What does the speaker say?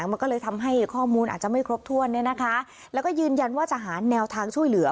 มันก็เลยทำให้ข้อมูลอาจจะไม่ครบถ้วนเนี่ยนะคะแล้วก็ยืนยันว่าจะหาแนวทางช่วยเหลือ